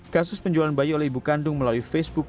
kasus penjualan bayi oleh ibu kandung melalui facebook